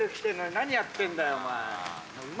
何やってんだよ。